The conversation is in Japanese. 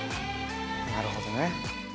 「なるほどね」